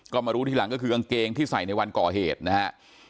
ก็มารู้ทีหลังก็คือกางเกงที่ใส่ในวันก่อเหตุนะฮะ